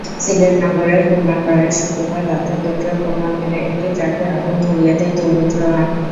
সিলেট নগরের কুমারপাড়ায় শুক্রবার রাতে পেট্রলবোমা মেরে একটি ট্রাকে আগুন ধরিয়ে দেয় দুর্বৃত্তরা।